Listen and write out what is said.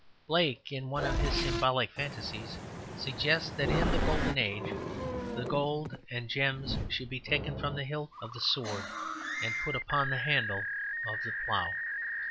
Blake, in one of his symbolic fantasies, suggests that in the Golden Age the gold and gems should be taken from the hilt of the sword and put upon the handle of the plough.